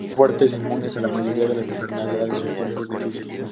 Son fuertes, inmunes a la mayoría de las enfermedades en tiempos difíciles.